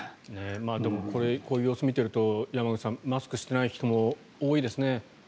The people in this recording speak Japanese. でも、こういう様子を見ていると山口さん、マスクしてない人も多いですね。